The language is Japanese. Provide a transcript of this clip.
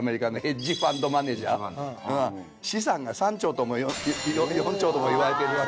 資産が３兆とも４兆ともいわれてるわけ。